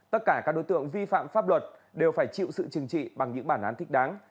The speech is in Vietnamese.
tất cả các đối tượng vi phạm pháp luật đều phải chịu sự chừng trị bằng những bản án thích đáng